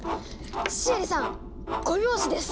シエリさん５拍子です！